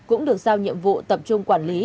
cũng được giao nhiệm vụ tập trung quản lý